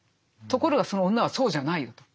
ところがその女はそうじゃないよと。